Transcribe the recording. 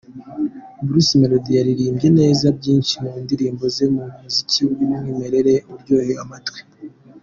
Bruce Melodie yaririmbye neza nyinshi mu ndirimbo ze, mu muziki w'umwimerere uryoheye amatwi.